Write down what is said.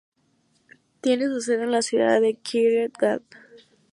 Tiene su sede en la ciudad de Kiryat Gat.